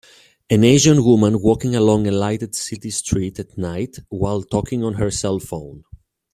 An Asian woman walking along a lighted city street at night while talking on her cellphone.